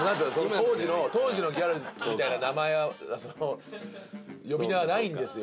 当時の当時のギャルみたいな名前は呼び名はないんですよ。